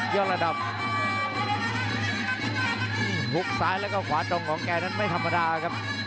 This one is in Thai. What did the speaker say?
ระดับหุบซ้ายแล้วก็ขวาตรงของแกนั้นไม่ธรรมดาครับ